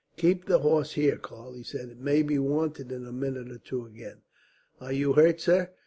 "Keep the horse here, Karl," he said. "It may be wanted in a minute or two again." "Are you hurt, sir?"